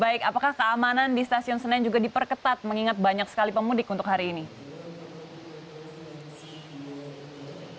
baik apakah keamanan di stasiun senen juga diperketat mengingat banyak sekali pemudik untuk hari ini